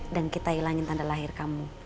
dan kita ilangin tanda lahir kamu